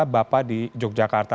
bapak di yogyakarta